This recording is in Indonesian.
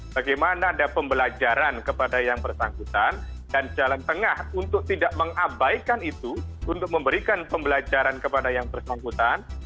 bagaimana ada pembelajaran kepada yang bersangkutan dan jalan tengah untuk tidak mengabaikan itu untuk memberikan pembelajaran kepada yang bersangkutan